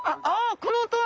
この音は！